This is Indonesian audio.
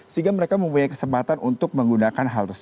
sehingga mereka mempunyai kesempatan untuk menggunakan modal politik